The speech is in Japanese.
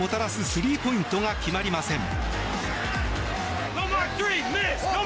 スリーポイントが決まりません。